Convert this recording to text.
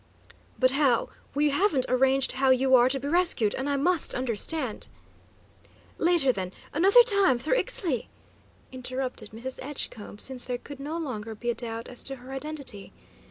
"But how we haven't arranged how you are to be rescued, and I must understand " "Later, then; another time, through Ixtli," interrupted Mrs. Edgecombe, since there could no longer be a doubt as to her identity.